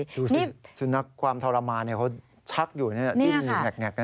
ดูสิสุนัขความทรมานเขาชักอยู่ดิ้นแงก